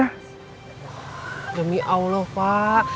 wah demi allah pak